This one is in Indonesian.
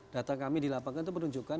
data kami dilaporkan itu menunjukkan